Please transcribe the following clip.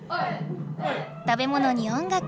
食べものに音楽。